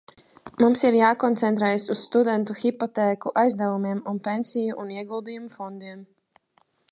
Mums ir jākoncentrējas uz studentu hipotēku aizdevumiem un pensiju un ieguldījumu fondiem.